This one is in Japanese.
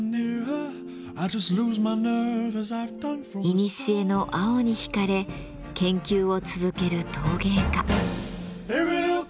いにしえの青に引かれ研究を続ける陶芸家。